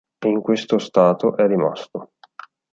E in questo stato è rimasto.